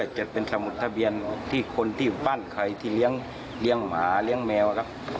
จะเป็นสมุดทะเบียนที่คนที่ปั้นใครที่เลี้ยงหมาเลี้ยงแมวครับ